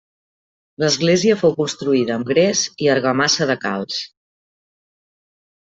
L'església fou construïda amb gres i argamassa de calç.